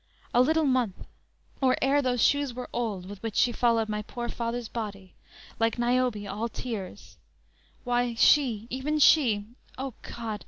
A little month, or ere those shoes were old With which she followed my poor father's body, Like Niobe all tears; why, she, even she O God!